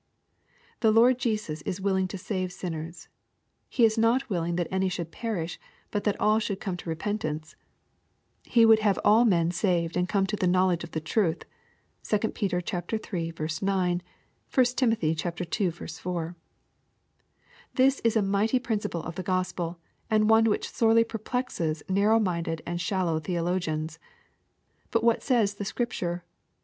The Lord Jesus is willing to save sinners. " He is not willing that any should perish, but that all should jome to repentance." He would have all men saved and come to the knowledge of the truth." (2 Pet. iii. 9 ; 1 Tim. ii. 4.) This is a mighty principle of the Gospel, and one which sorely perplexes narrow minded and shallow theologiana. But what says the Bcripture